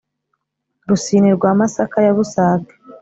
rusine rwa masaka ya busage,